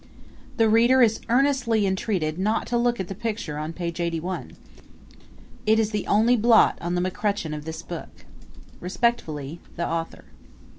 The reader is earnestly entreated not to look at the picture on page 81. It is the only blot on the McCutcheon of this book. Respectfully, The Author.